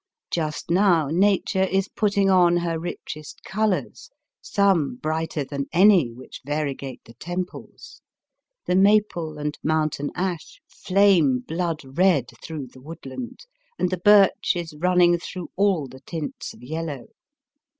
Just now Nature is. Digitized by VjOOQIC 264 EAST BY WEST. putting on her richest colours, some brighter than any which variegate the temples. The maple and mountain ash flame blood red through the woodland, and the birch is run ning through all the tints of yellow.